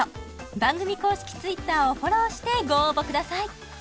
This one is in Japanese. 番組公式Ｔｗｉｔｔｅｒをフォローしてご応募ください